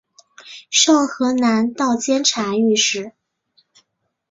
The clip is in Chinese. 授河南道监察御史。